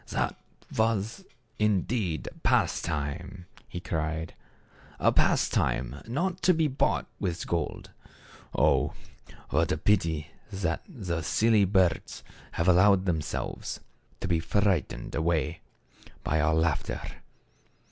" That was, indeed, pastime," he cried ;" a pastime not to be bought with gold. Oh ! what a pity that the silly birds have allowed them selves to be frightened away by our laughter.